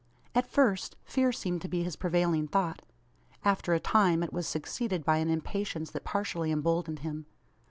At first, fear seemed to be his prevailing thought. After a time, it was succeeded by an impatience that partially emboldened him.